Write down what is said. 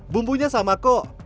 bumbunya sama kok